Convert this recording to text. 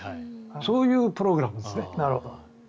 そういうプログラムですね。